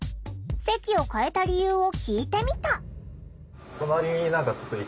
席を替えた理由を聞いてみた。